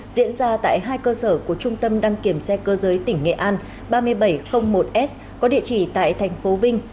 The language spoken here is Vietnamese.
diễn ra tại hai cơ sở của trung tâm đăng kiểm xe cơ giới tỉnh nghệ an ba nghìn bảy trăm linh một s có địa chỉ tại thành phố vinh